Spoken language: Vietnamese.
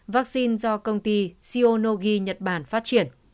vaccine do công ty xionogi nhật bản phát triển